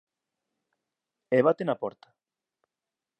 E bate na porta.